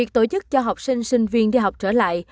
tổ chức cho học sinh sinh viên đi học trở lại